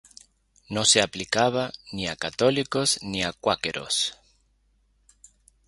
No se aplicaba ni a católicos ni a cuáqueros.